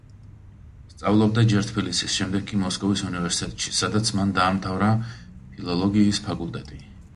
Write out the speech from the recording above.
სწავლობდა ჯერ თბილისის შემდეგ კი მოსკოვის უნივერსიტეტში, სადაც მან დაამთავრა ფილოლოგიის ფაკულტეტი.